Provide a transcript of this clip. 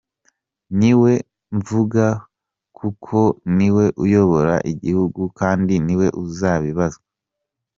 Ni we mvuga kuko ni we uyobora igihugu kandi ni we uzabibazwa.